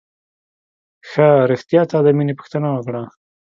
ښه رښتيا تا د مينې پوښتنه وکړه.